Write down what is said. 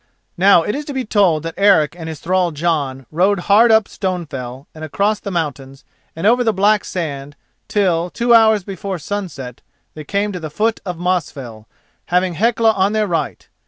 Now it is to be told that Eric and his thrall Jon rode hard up Stonefell and across the mountains and over the black sand, till, two hours before sunset, they came to the foot of Mosfell, having Hecla on their right.